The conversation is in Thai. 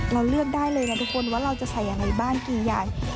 เลือกได้เลยนะทุกคนว่าเราจะใส่ยังไงบ้านกี่อย่าง